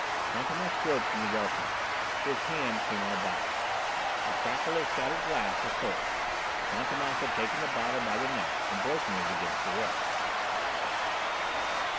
Fantômas groped in the darkness. His hand came on a bottle. A crackle of shattered glass was heard, Fantômas had taken the bottle by the neck and broken it against the wall.